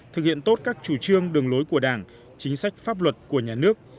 thực hiện tốt các chủ trương đường lối của đảng chính sách pháp luật của nhà nước